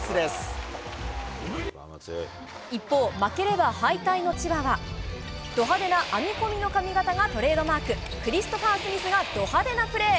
一方、負ければ敗退の千葉は、ド派手な編み込みの髪形がトレードマーク、クリストファー・スミスがド派手なプレー。